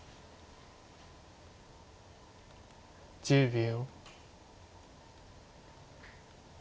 １０秒。